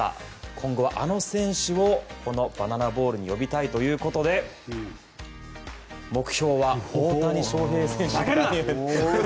今後はあの選手をこのバナナボールに呼びたいということで目標は大谷翔平選手の加入。